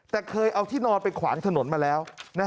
แต่เคยเอาที่นอนไปขวางถนนมาแล้ว